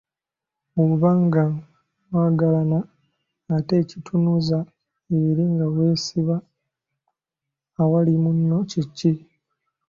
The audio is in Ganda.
Oba nga mwagalagana ate ekitunuza eri nga weesiba awali munno kye kyaki?